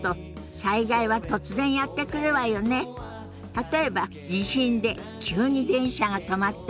例えば地震で急に電車が止まったり。